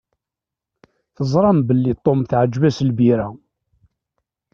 Teẓram belli Tom teεǧeb-as lbira.